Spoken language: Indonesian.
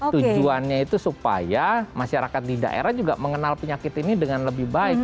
tujuannya itu supaya masyarakat di daerah juga mengenal penyakit ini dengan lebih baik